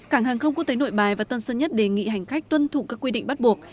cảng hàng không quốc tế nội bài và tân sơn nhất đề nghị hành khách tuân thụ các quy định bắt buộc